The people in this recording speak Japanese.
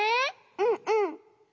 うんうん。